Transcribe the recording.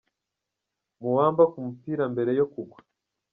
Muamba ku mupira mbere yo kugwa.